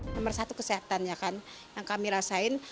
nomor satu kesehatan yang kami rasain